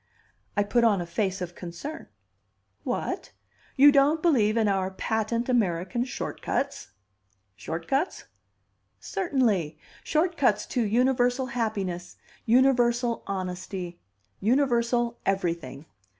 I put on a face of concern. "What? You don't believe in our patent American short cuts?" "Short cuts?" "Certainly. Short cuts to universal happiness, universal honesty, universal everything.